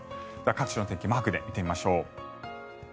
各地の天気をマークで見ていきましょう。